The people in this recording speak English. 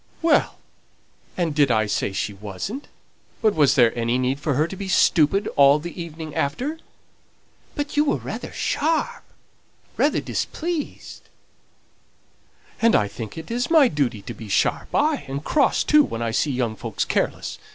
"Well, and did I say she wasn't? but was there any need for her to be stupid all the evening after?" "But you were rather sharp, rather displeased " "And I think it my duty to be sharp, ay, and cross too, when I see young folks careless.